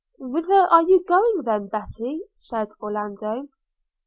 'Whither are you going then, Betty?' said Orlando.